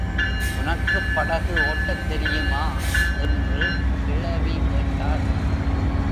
உனக்குப் படகு ஒட்டத் தெரியுமா? என்று கிழவி கேட்டாள்.